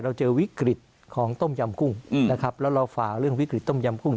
เจอวิกฤตของต้มยำกุ้งนะครับแล้วเราฝากเรื่องวิกฤตต้มยำกุ้ง